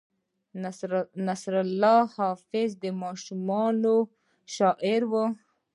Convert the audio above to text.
نصرالله حافظ د ماشومانو شاعر و.